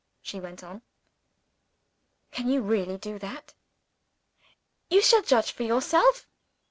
she went on. "Can you really do that?" "You shall judge for yourself.